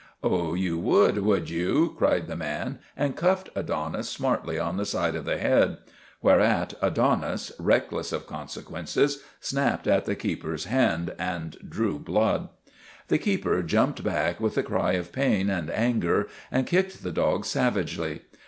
" Oh, you would, would you !" cried the man, and cuffed Adonis smartly on the side of the head. 302 THE RETURN OF THE CHAMPION Whereat Adonis, reckless of consequences, snapped at the keeper's hand and drew blood. The keeper jumped back with a cry of pain and anger and kicked the dog savagely.